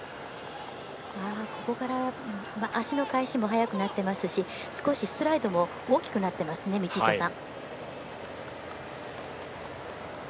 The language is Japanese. ここから足の返しも早くなっていますし少しストライドも大きくなっていますね、道下さん。